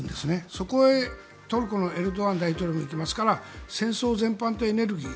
そこへ、トルコのエルドアン大統領も行きますから戦争全般とエネルギー